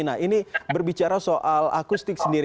nah ini berbicara soal akustik sendiri